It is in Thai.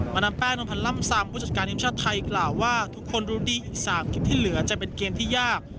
ดามแป้นวมพันธ์ล่ำซามผู้จัดการทีมชาติไทยกล่าวว่าทุกคนรู้ดีอีก๓คลิปที่เหลือจะเป็นเกมที่ยาก